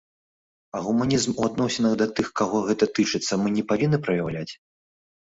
А гуманізм у адносінах да тых, каго гэта тычыцца, мы не павінны праяўляць?